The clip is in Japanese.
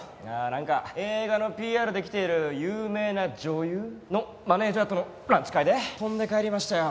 なんか映画のＰＲで来ている有名な女優のマネジャーとのランチ会で飛んで帰りましたよ。